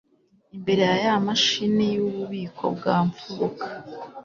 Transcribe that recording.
imbere yaya mashini yububiko bwa mfuruka